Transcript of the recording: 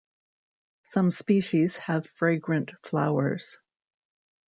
Some species have fragrant flowers.